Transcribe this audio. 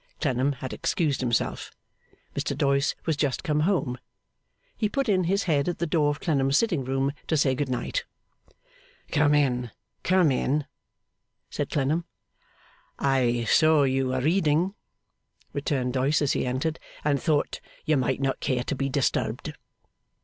Clennam had excused himself. Mr Doyce was just come home. He put in his head at the door of Clennam's sitting room to say Good night. 'Come in, come in!' said Clennam. 'I saw you were reading,' returned Doyce, as he entered, 'and thought you might not care to be disturbed.